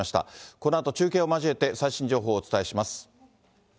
このあと中継を交えて最新情報をお伝えします。